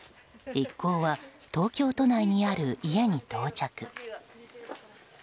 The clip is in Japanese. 一行は東京都内にある家に到着。